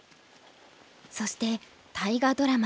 そして大河ドラマ